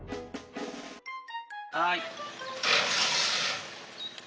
はい。